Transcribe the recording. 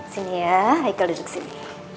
sini ya ikel duduk sini